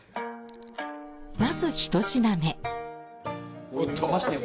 まず１品目。